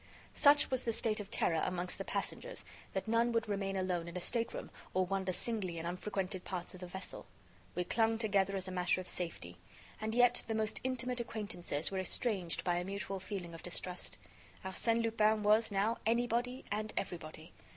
Such was the state of terror amongst the passengers that none would remain alone in a stateroom or wander singly in unfrequented parts of the vessel. We clung together as a matter of safety. And yet the most intimate acquaintances were estranged by a mutual feeling of distrust. Arsène Lupin was, now, anybody and everybody.